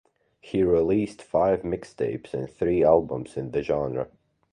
He released five mixtapes and three albums in the genre.